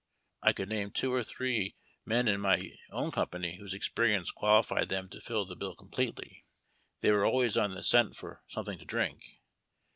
I could name two or three men in my own company whose experience qualified them to fill the bill completely. They were always on the scent for some thing to drink.